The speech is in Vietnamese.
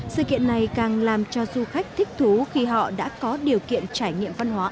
sự kiện này càng làm cho du khách thích thú khi họ đã có điều kiện trải nghiệm văn hóa